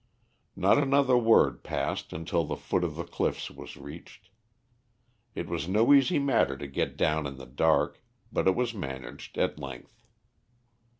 Not another word passed until the foot of the cliffs was reached. It was no easy matter to get down in the dark, but it was managed at length.